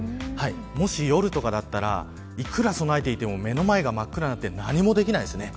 もし夜だったら、いくら備えていても、目の前が真っ暗になって何もできないですよね。